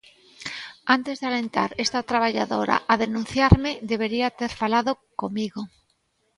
Antes de alentar esta traballadora a denunciarme debería ter falado comigo.